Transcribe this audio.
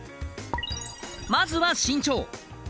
まずは身長。